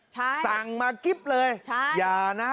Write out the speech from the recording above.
ใช่สั่งมากิ๊บเลยอย่านะ